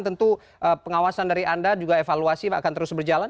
tentu pengawasan dari anda juga evaluasi akan terus berjalan